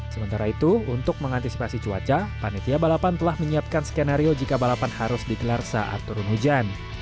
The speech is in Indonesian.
sementara itu untuk mengantisipasi cuaca panitia balapan telah menyiapkan skenario jika balapan harus dikelar saat turun hujan